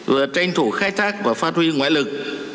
vừa tranh thủ khai thác và phát huy ngoại lực